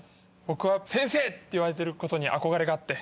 僕は先生！って言われることに憧れがあって。